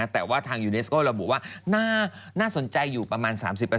แต่ว่าทางยูเนสโก้ระบุว่าน่าสนใจอยู่ประมาณ๓๐